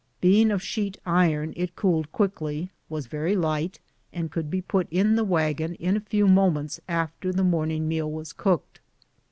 Being of sheet iron it cooled quickly, was very light, and could be put in the wagon in a few moments after the morning meal was cooked.